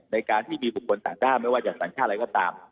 ในการที่มีบุคคลต่างด้าวไม่ว่าจะสัญชาติอะไรก็ตาม